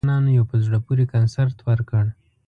ازبک ځوانانو یو په زړه پورې کنسرت ورکړ.